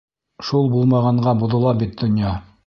Шул булмағанға боҙола бит донъя.